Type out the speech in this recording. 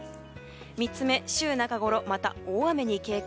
３つ目、週中ごろまた大雨に警戒。